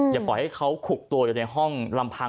อย่าปล่อยให้เขาขุกตัวอยู่ในห้องลำพัง